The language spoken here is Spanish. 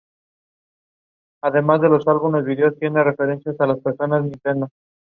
Hay muy pocas noticias sobre la situación política en Cerdeña en los siglos siguientes.